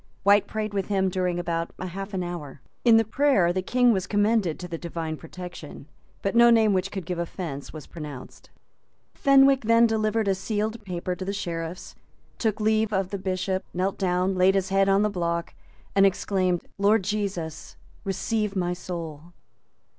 White prayed with him during about half an hour. In the prayer the King was commended to the Divine protection; but no name which could give offence was pronounced. Fenwick then delivered a sealed paper to the Sheriffs, took leave of the Bishop, knelt down, laid his neck on the block, and exclaimed, "Lord Jesus, receive my soul."